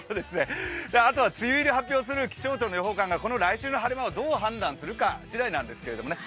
あとは梅雨入りを発表する気象庁の予報官が来週の晴れ間をどう判断するか次第なんですけどね。